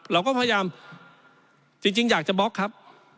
เราก็พยายามจริงอยากจะบล็อกครับ